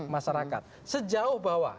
masyarakat sejauh bahwa